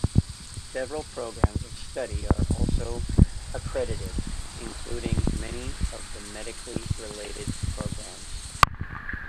Several programs of study are also accredited, including many of the medically related programs.